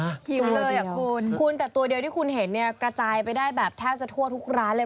หิวเลยอ่ะคุณคุณแต่ตัวเดียวที่คุณเห็นเนี่ยกระจายไปได้แบบแทบจะทั่วทุกร้านเลย